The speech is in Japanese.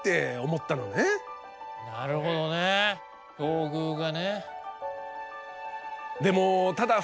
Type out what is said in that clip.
なるほどね境遇がね。